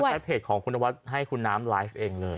ให้เพจของคุณนวัดให้คุณน้ำไลฟ์เองเลย